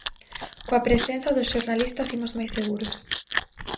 Coa presenza dos xornalistas imos máis seguros.